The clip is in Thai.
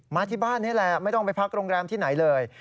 มาที่บ้านนี่แหละไม่ต้องไปพักโรงแรมที่ไหนเลย